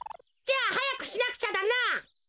じゃあはやくしなくちゃだな！